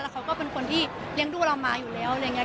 เขาก็เป็นคนที่เลี้ยงดูเรามาอยู่แล้วอะไรอย่างนี้